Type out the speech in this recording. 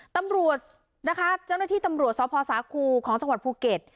ตำรวจนะคะเจ้าหน้าที่ตำรวจสพสาคูของจังหวัดภูเก็ต